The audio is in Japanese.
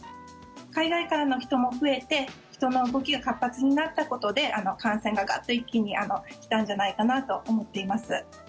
海外からの人も増えて人の動きが活発になったことで感染が、ガッと一気に来たんじゃないかなと思っています。